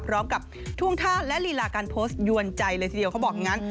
พร้อมกับท่วงท่าและลีลาการโพสต์ยวนใจเลยทีเดียวเขาบอกอย่างนั้น